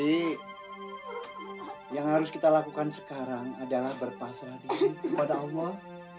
yang harus kita lakukan sekarang adalah berpasrah diri kepada allah